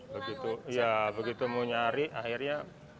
begitu ya begitu mau nyari akhirnya